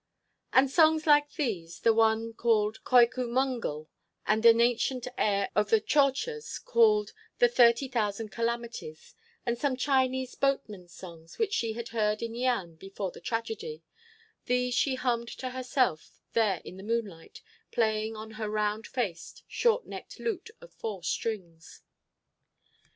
_ And songs like these—the one called "Keuke Mongol," and an ancient air of the Tchortchas called "The Thirty Thousand Calamities," and some Chinese boatmen's songs which she had heard in Yian before the tragedy; these she hummed to herself there in the moonlight playing on her round faced, short necked lute of four strings.